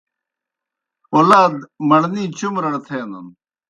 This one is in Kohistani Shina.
پولاد مڑنے چُمرڑ تھینَن۔